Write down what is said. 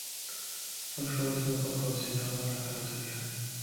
Rolls-Royce no proporcionaba la carrocería.